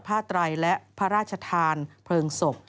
ไตรและพระราชทานเพลิงศพ